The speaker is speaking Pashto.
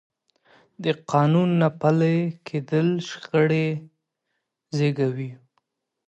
د قانون نه پلي کېدل شخړې زېږوي